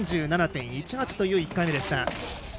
３７．１８という１回目でした。